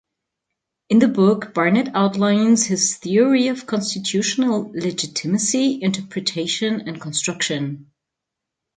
In the book, Barnett outlines his theory of constitutional legitimacy, interpretation and construction.